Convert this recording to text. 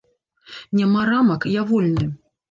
Няма рамак, я вольны.